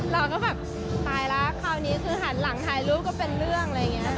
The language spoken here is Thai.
เราก็แบบตายแล้วคราวนี้คือหันหลังถ่ายรูปก็เป็นเรื่อง